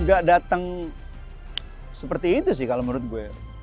gak datang seperti itu sih kalau menurut gue